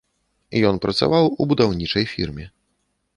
Ён працаваў у будаўнічай фірме.